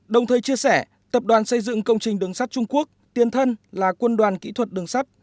đồng thời chia sẻ tập đoàn xây dựng công trình đường sắt trung quốc tiên thân là quân đoàn kỹ thuật đường sắt